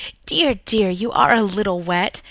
Dear, dear, you are a little wet.